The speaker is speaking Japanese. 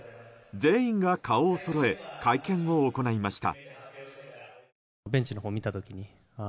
全員が顔をそろえ会見を行いました。